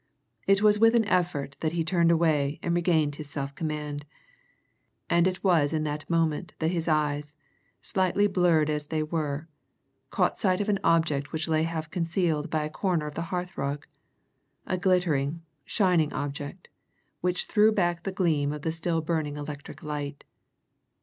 It was with an effort that he turned away and regained his self command and it was in that moment that his eyes, slightly blurred as they were, caught sight of an object which lay half concealed by a corner of the hearth rug a glittering, shining object, which threw back the gleam of the still burning electric light.